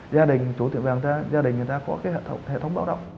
gia đình chủ tiệm vàng gia đình người ta có hệ thống báo động